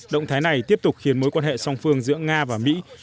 động thái này tiếp tục khiến mối quan hệ song phương giữa nga và mỹ